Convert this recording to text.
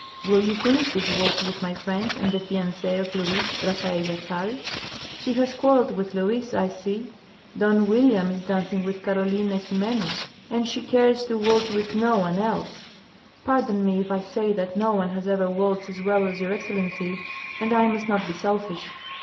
Will you finish this waltz with my friend, and the fiancee of Luis, Rafaella Sal? She has quarrelled with Luis, I see; Don Weeliam is dancing with Carolina Xime'no, and she cares to waltz with no one else. Pardon me if I say that no one has ever waltzed as well as your excellency, and I must not be selfish."